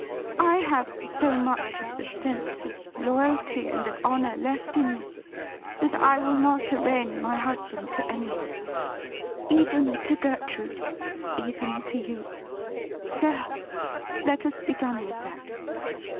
I have so much of the sense of loyalty and of honour left in me that I will not arraign my husband to anyone — even to JIM IS AN UNWELCOME MESSENGER 207 Gertrude, even to you. There ! let us be done with that.